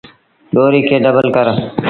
ڏوريٚ کي ڊبل ڪر۔